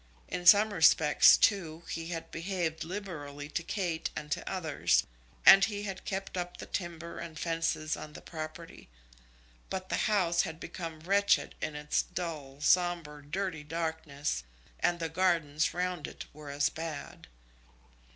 In some respects, too, he had behaved liberally to Kate and to others, and he had kept up the timber and fences on the property. But the house had become wretched in its dull, sombre, dirty darkness, and the gardens round it were as bad.